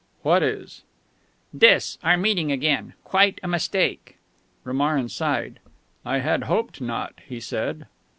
"What is?" "This our meeting again. Quite a mistake." Romarin sighed. "I had hoped not," he said.